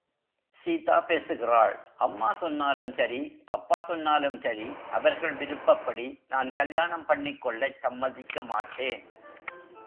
சீதா பேசுகிறாள்... அம்மா சொன்னலும் சரி அப்பா சொன்னலும் சரி அவர்கள் விருப்பப்படி நான் கல்யாணம் பண்ணிக்கொள்ளச் சம்மதிக்கமாட்டேன்.